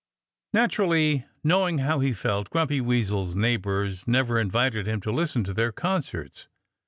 Naturally, knowing how he felt, Grumpy Weasel's neighbors never invited him to listen to their concerts.